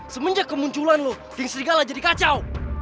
semenjak kemunculan lo geng serigala jadi kacau